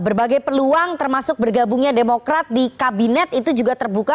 berbagai peluang termasuk bergabungnya demokrat di kabinet itu juga terbuka